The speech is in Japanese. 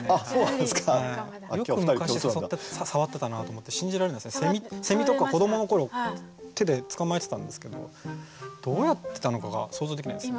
よく昔触ってたなと思って信じられないですね。とか子どもの頃手で捕まえてたんですけどどうやってたのかが想像できないです。